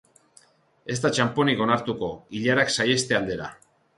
Ez da txanponik onartuko, ilarak saiheste aldera.